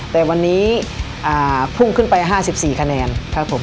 แต่วันนี้พุ่งขึ้นไป๕๔คะแนนครับผม